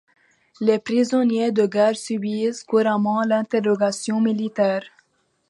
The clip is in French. Les prisonniers de guerre subissent couramment l’interrogation militaire.